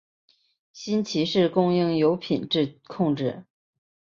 新奇士供应有品质控制。